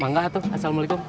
mangga tuh assalamualaikum